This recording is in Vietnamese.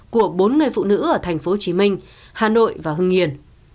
của bốn người phụ nữ ở tp hcm hà nội và hưng yên